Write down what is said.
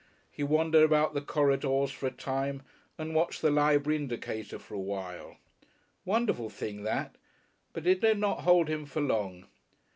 He wandered about the corridors for a time and watched the library indicator for awhile. Wonderful thing that! But it did not hold him for long.